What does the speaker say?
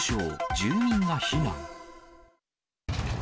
住民が避難。